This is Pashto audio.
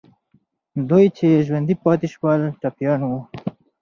دوی چې ژوندي پاتې سول، ټپیان وو.